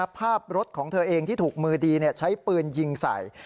ภาพรถของเธอเองที่ถูกมือดีใช้ปืนยิงใส่